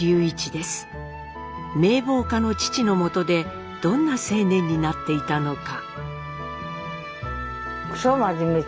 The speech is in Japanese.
名望家の父のもとでどんな青年になっていたのか。